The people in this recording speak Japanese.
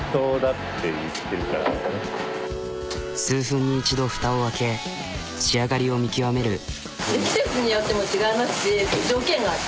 数分に一度ふたを開け仕上がりを見極める。